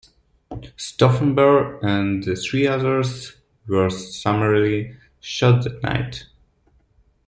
Stauffenberg and three others were summarily shot that night.